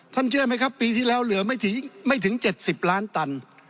เชื่อไหมครับปีที่แล้วเหลือไม่ถึง๗๐ล้านตัน